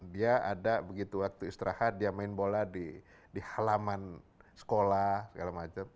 dia ada begitu waktu istirahat dia main bola di halaman sekolah segala macam